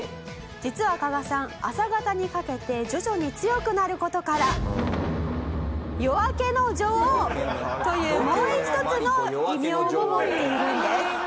「実は加賀さん朝方にかけて徐々に強くなる事から」というもう一つの異名も持っているんです」